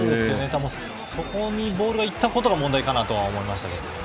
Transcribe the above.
ただ、そこにボールがいったことが問題かなと思います。